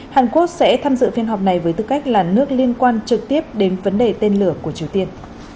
hàn quốc sẽ tham dự phiên họp này với tư cách là nước liên quan trực tiếp đến vấn đề tên lửa của triều tiên